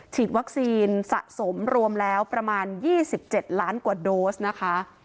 ฉีดวัคซีนสะสมรวมแล้วประมาณ๒๗ล้านกว่าโดสนะคะ